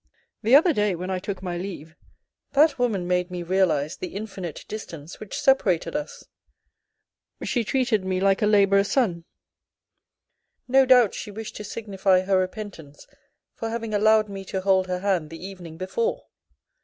"The other day, when I took my leave, that woman made me realise the infinite distance which separated us ; she treated me like a labourer's son. No doubt she wished to signify her repentance for having allowed me to hold her hand the evening before.